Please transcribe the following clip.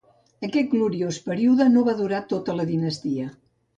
Aquest gloriós període no va durar tota la dinastia.